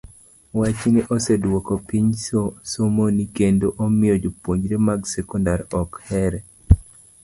Wachni oseduoko piny somoni kendo omiyo jopuonjre mag sekondar ok ohere.